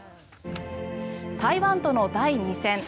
台湾との第２戦。